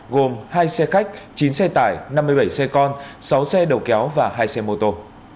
gồm hai xe khách chín xe tải năm mươi bảy xe con sáu xe đầu kéo và hai xe mô tô